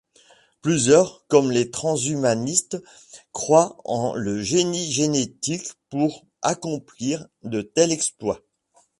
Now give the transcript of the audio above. Plusieurs, comme les transhumanistes, croient en le génie génétique pour accomplir de tels exploits.